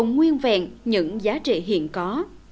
bảo tồn nguyên vẹn những giá trị hiện có